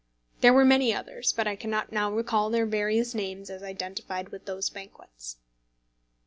There were many others; but I cannot now recall their various names as identified with those banquets.